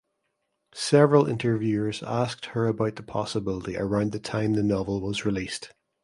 Several interviewers asked her about the possibility around the time the novel was released.